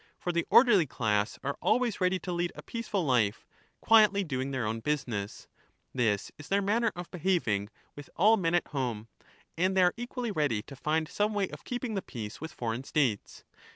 For the orderly class are always ready to lead a peaceful f^ willing •^*^*^* to pay any life, quietly doing their own business ; this is their manner price for of behaving with all men at home, and they are equally ready P®^* » to find some way of keeping the peace with foreign States.